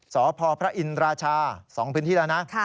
สพพระอินราชา๒พื้นที่แล้วนะ